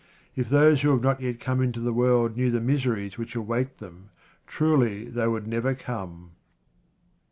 If those who have not yet come into the world knew the miseries which await them, truly they would never come.